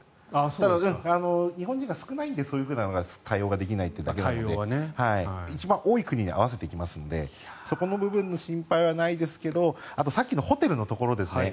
ただ、日本人が少ないのでそういう対応ができないということで一番多い国に合わせるのでそこの部分の心配はないですがさっきのホテルのところですね。